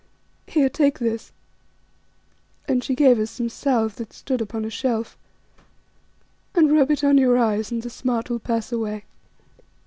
Here take this," and she gave us some salve that stood upon a shelf, "and rub it on your eyes and the smart will pass away."